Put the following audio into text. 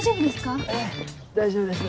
大丈夫ですか？